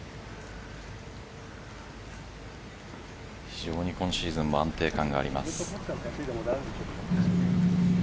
非常に今シーズンも安定感があります。